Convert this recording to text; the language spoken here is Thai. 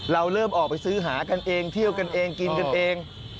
เราเริ่มออกไปซื้อหากันเองเที่ยวกันเองกินกันเอง